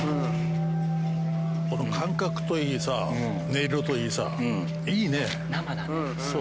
この間隔といいさ音色といいさいいね。